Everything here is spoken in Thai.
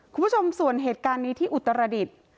คุณผู้ชมส่วนเหตุการณ์นี้ที่อุตรดิษฐ์